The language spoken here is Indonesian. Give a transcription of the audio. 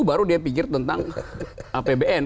baru dia pikir tentang apbn